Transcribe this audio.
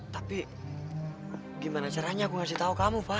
tapi gimana caranya aku ngasih tau kamu fah